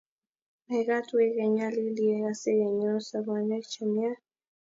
Mekat wei kenyalilie asikenyoeu sobonwek che miach?